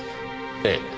ええ。